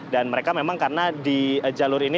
dan mereka memang karena di jalur ini